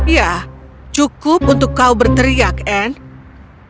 ya cukup untuk kau berteriak anne